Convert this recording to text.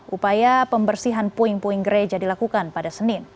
upaya pembersihan puing puing gereja dilakukan pada senin